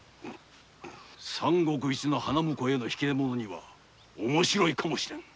三国一の花婿への引出物には面白いかもしれんな。